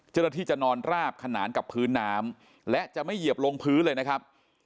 เจ้าหน้าที่จะนอนราบขนานกับพื้นน้ำและจะไม่เหยียบลงพื้นเลยนะครับ